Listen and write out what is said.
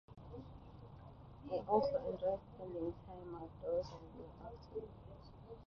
I also enjoy spending time outdoors and being active.